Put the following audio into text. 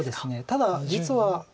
ただ実は。